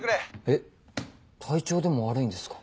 えっ体調でも悪いんですか？